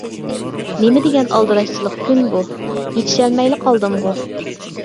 نېمىدېگەن ئالدىراشچىلىق كۈن بۇ؟ يېتىشەلمەيلا قالدىمغۇ.